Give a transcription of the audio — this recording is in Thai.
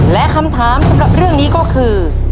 และคำถามสำหรับเรื่องนี้ก็คือ